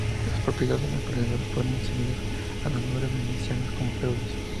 Las propiedades en los alrededores fueron concedidas a los nobles venecianos como feudos.